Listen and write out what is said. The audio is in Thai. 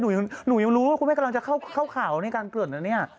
หนูยังรู้ว่าคุณแม่กำลังจะเข้าข่าวในการเกิดนะเนี่ย